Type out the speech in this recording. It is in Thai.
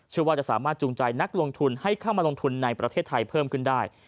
ว่าจะสามารถจูงใจนักลงทุนให้เข้ามาลงทุนในประเทศไทยเพิ่มขึ้นได้